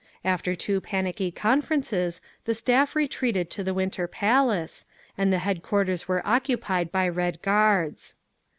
After two panicky conferences the Staff retreated to the Winter Palace, and the headquarters were occupied by Red Guards….